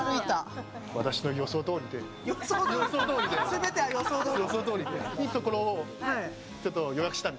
全ては予想どおり。